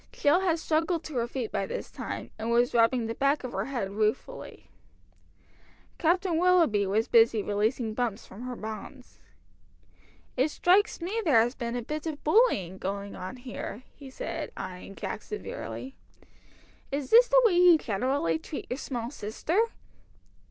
Jill had struggled to her feet by this time, and was rubbing the back of her head ruefully. Captain Willoughby was busy releasing Bumps from her bonds. "It strikes me there has been a bit of bullying going on here," he said, eyeing Jack severely. "Is this the way you generally treat your small sister?"